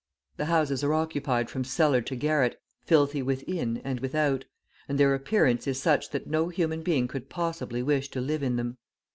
The houses are occupied from cellar to garret, filthy within and without, and their appearance is such that no human being could possibly wish to live in them.